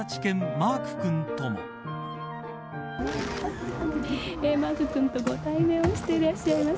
マーク君とご対面をしていらっしゃいます。